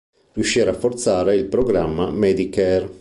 Riuscì a rafforzare il programma Medicare.